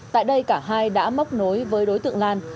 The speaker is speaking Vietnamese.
tại đây cả hai đã móc nối với đối tượng lan